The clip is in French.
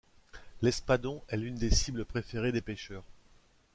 L'espadon est l'une des cibles préférées des pêcheurs.